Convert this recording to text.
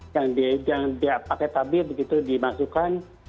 yang dia pakai tabir begitu dimasukkan